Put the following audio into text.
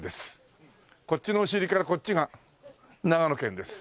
こっちのお尻からこっちが長野県です。